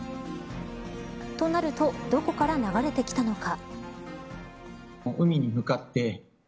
となるとどこから流れてきたのか。